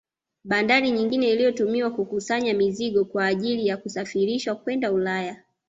Babdari nyingine iliyotumiwa kukusanya mizigo kwa ajili ya kusafirishwa kwenda Ulaya